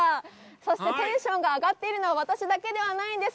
そしてテンションが上がっているのは私だけではないんです。